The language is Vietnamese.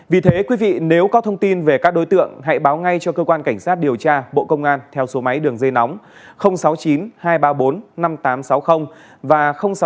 vì thế quý vị nếu có thông tin về các đối tượng hãy báo ngay cho cơ quan cảnh sát điều tra bộ công an theo số máy đường dây nóng sáu mươi chín hai trăm ba mươi bốn năm nghìn tám trăm sáu mươi và sáu mươi chín hai trăm ba mươi một một nghìn sáu trăm